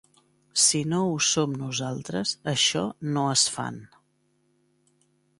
Si no ho som nosaltres, això no es fan.